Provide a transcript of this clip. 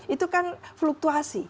itu kan fluktuasi